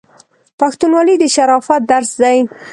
پښتونولي د شرافت درس دی.